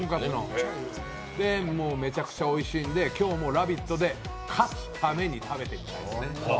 めちゃくちゃおいしいんで今日も「ラヴィット！」で勝つためにいただきたいです。